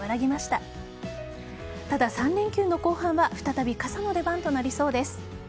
ただ、３連休の後半は再び傘の出番となりそうです。